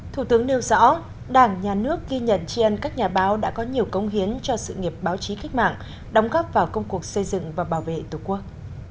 thủ tướng nêu rõ đảng nhà nước ghi nhận tri ân các nhà báo đã có nhiều công hiến cho sự nghiệp báo chí cách mạng đóng góp vào công cuộc xây dựng và bảo vệ tổ quốc